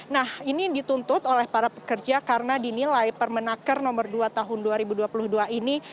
nah ini dituntut oleh para pekerja karena dinilai permenaker nomor dua tahun dua ribu dua puluh dua ini